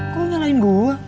kok nyalain gue